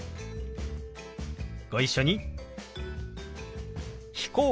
ご一緒に。